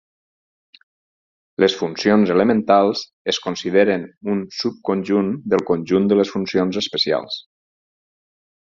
Les funcions elementals es consideren un subconjunt del conjunt de les funcions especials.